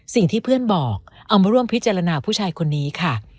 สิ่งที่เพื่อนบอกเอามาร่วมพิจารณาผู้ชายคนนี้ค่ะ